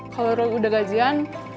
kalau roy udah gajian